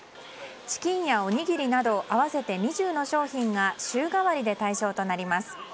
チキンやおにぎりなど合わせて２０の商品が週替わりで対象となります。